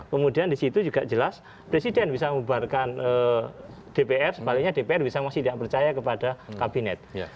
kemudian disitu juga jelas presiden bisa membubarkan dpr sebaliknya dpr bisa masih tidak percaya kepada kabinet